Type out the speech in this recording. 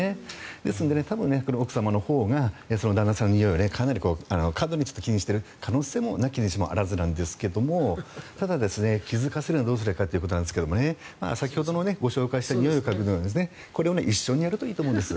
ですので多分奥様のほうが旦那様のにおいをかなり過度に気にしている可能性もなきにしもあらずですがただ、気付かせるにはどうすればいいかということですが先ほどのご紹介したにおいを嗅ぐのをこれを一緒にやるといいと思うんです。